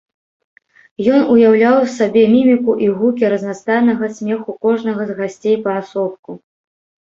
Ён уяўляў сабе міміку і гукі разнастайнага смеху кожнага з гасцей паасобку.